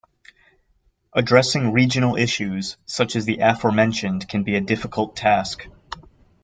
Addressing regional issues such as the aforementioned, can be a difficult task.